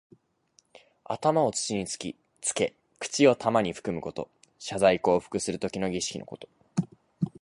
頭を土につけ、口に玉をふくむこと。謝罪降伏するときの儀式のこと。